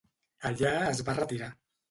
Allà es va retirar.